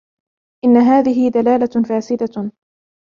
إنَّ هَذِهِ دَلَالَةٌ فَاسِدَةٌ